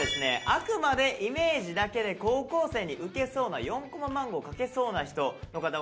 あくまでイメージだけで高校生にウケそうな４コマ漫画を描けそうな人の方をですね